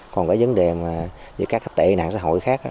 còn cái vấn đề về các tệ nạn xã hội khác